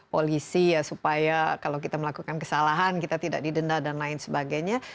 polisi ya supaya kalau kita melakukan kesalahan kita tidak didenda dan lain sebagainya